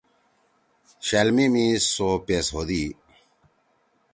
شألمی می سو پیس ہودی۔